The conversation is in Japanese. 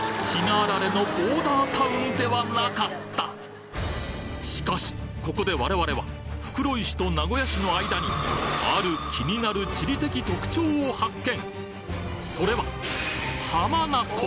ここしかしここで我々は袋井市と名古屋市の間にある気になる地理的特徴を発見